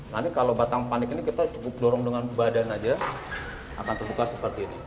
nanti kalau batang panik ini kita cukup dorong dengan badan aja akan terbuka seperti ini